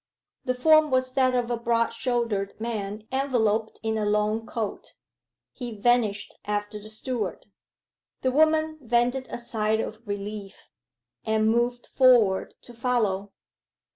The form was that of a broad shouldered man enveloped in a long coat. He vanished after the steward. The woman vented a sigh of relief, and moved forward to follow.